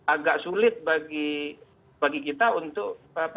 agak sulit bagi kita untuk